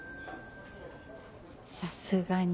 さすがに。